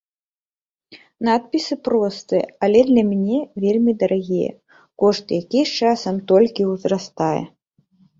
Надпісы простыя, але для мяне вельмі дарагія, кошт якіх з часам толькі ўзрастае.